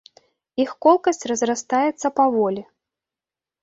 Іх колкасць разрастаецца паволі.